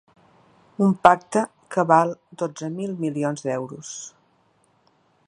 Un pacte que val dotze mil milions d’euros.